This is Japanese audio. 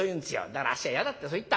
だからあっしは『嫌だ』ってそう言った。